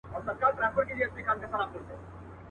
په لومړۍ شپه وو خپل خدای ته ژړېدلی.